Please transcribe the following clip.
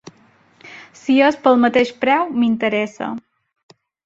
Si és pel mateix preu m'interessa.